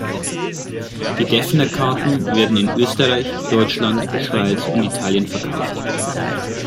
Die Defner-Karten werden in Österreich, Deutschland, Schweiz und Italien verkauft.